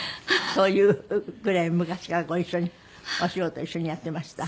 そういうぐらい昔からご一緒にお仕事一緒にやっていました。